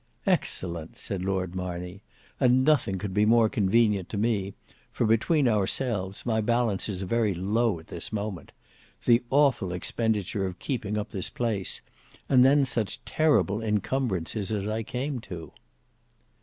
"Excellent," said Lord Marney; "and nothing could be more convenient to me, for, between ourselves, my balances are very low at this moment. The awful expenditure of keeping up this place! And then such terrible incumbrances as I came to!"